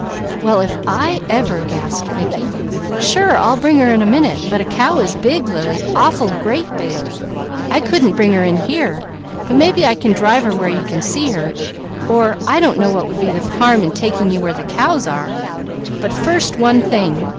"Well, if I ever!" gasped Mickey. "Sure, I'll bring her in a minute; but a cow is big, Lily! Awful, great big. I couldn't bring her in here; but maybe I can drive her where you can see, or I don't know what would be the harm in taking you where the cows are. But first, one thing!